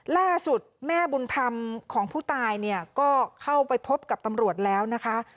ล่าสุดแม่บุญธรรมของผู้ตายเนี่ยก็เข้าไปพบกับตำรวจแล้วนะคะ